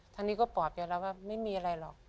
ทางนี้ก็ปลอบใจแล้วว่าไม่มีอะไรหรอก